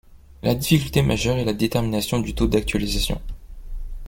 La difficulté majeure est la détermination du taux d'actualisation.